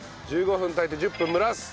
１５分炊いて１０分蒸らす。